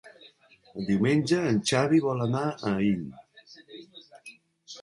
Diumenge en Xavi vol anar a Aín.